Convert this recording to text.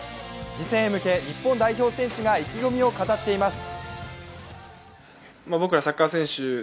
次戦に向け、日本代表選手が意気込みを語っています。